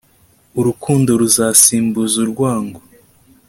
urukundo ruzasimbuza urwango